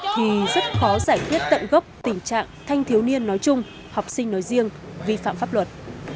thì rất khó giải quyết tận gốc tình trạng thanh thiếu niên nói chung học sinh nói riêng vi phạm pháp luật